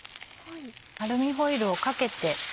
アルミホイルをかけて。